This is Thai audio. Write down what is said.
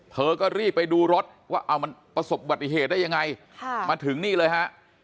เธอก็รีบไปดูรถว่าเอามันประสบบัติเหตุได้ยังไงมาถึงนี่เลยฮะ